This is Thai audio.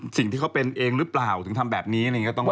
สิ่งที่เขาเป็นเองหรือเปล่าจึงทำแบบนี้ต้องการต่อไป